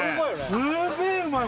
すげえうまいよ